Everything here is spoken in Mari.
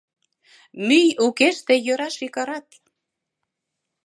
Мӱй укеште йӧра шикарат.